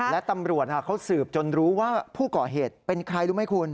และตำรวจเขาสืบจนรู้ว่าผู้ก่อเหตุเป็นใครรู้ไหมคุณ